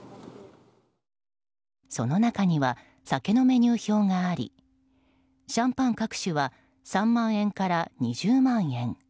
その中には酒のメニュー表がありシャンパン各種は３万円から２０万円。